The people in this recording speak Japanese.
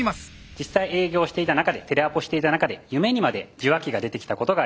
実際営業していた中でテレアポしていた中で夢にまで受話器が出てきたことがあります。